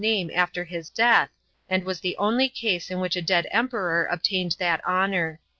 e after his d«ath, and was the only case in which a dead Kmperor obtained that honour.